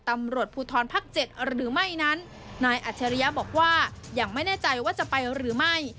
ตำรวจภูทรภักดิ์เจ็ดหรือไม่นั้นนายอัจฉริยะบอกว่ายังไม่แน่ใจว่าจะไปหรือไม่